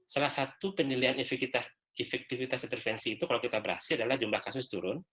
salah satu penilaian efektivitas intervensi itu kalau kita berhasil adalah jumlah kasus turun